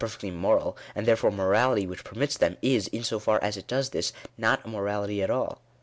fectly moral, and therefore a morality which permits them, is, in so far as it does this, not a morality at all.